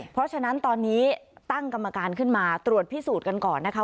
เพราะฉะนั้นตอนนี้ตั้งกรรมการขึ้นมาตรวจพิสูจน์กันก่อนนะคะ